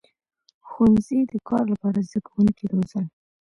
• ښوونځي د کار لپاره زدهکوونکي روزل.